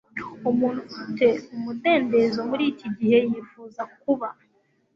umuntu afite umudendezo muri iki gihe yifuza kuba